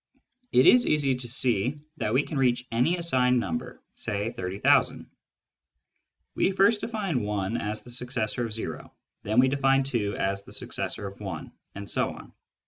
It is easy to see that we can reach any assigned number, say 30,000. We first define " 1 " as " the successor of o," then we define " 2 " as " the successor of 1," and so on.